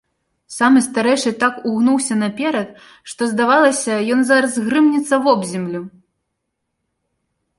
Самы старэйшы так угнуўся наперад, што здавалася, ён зараз грымнецца вобземлю.